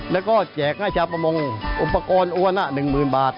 แล้วก็แจกให้ชาวประมงอุปกรณ์อวนน่ะหนึ่งหมื่นบาท